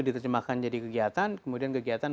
diterjemahkan jadi kegiatan kemudian kegiatan